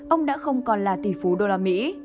ông đã không còn là tỷ phú đô la mỹ